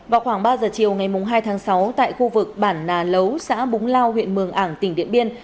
vào khoảng ba giờ chiều ngày hai tháng sáu tại khu vực bản nà lấu xã búng lao huyện mường ảng tỉnh điện biên